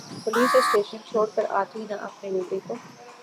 police station چھوڑ کر آتی نا اپنے بیٹے کو